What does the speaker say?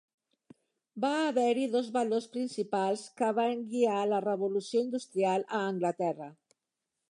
Va haver-hi dos valors principals que van guiar la Revolució Industrial a Anglaterra.